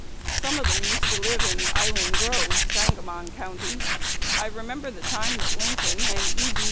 Some of them used to live in Island Grove, Sangamon County.... I remember the time that Lincoln and E. D.